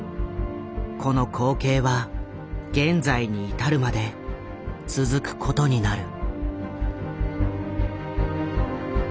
この光景は現在に至るまで続くことになる。